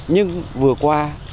nhưng vừa qua